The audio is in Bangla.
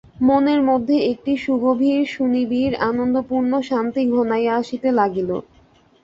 মনের মধ্যে একটি সুগভীর সুনিবিড় আনন্দপূর্ণ শান্তি ঘনাইয়া আসিতে লাগিল ।